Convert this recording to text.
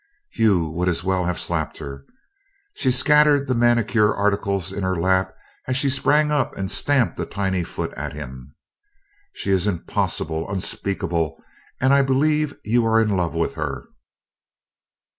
Hugh would as well have slapped her. She scattered the manicure articles in her lap as she sprang up and stamped a tiny foot at him: "She is impossible! Unspeakable! And I believe you are in love with her!"